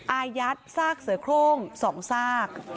อายัดซากเสือโครง๒ซาก